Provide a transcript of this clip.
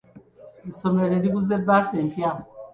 Essomero liguze bbaasi empya.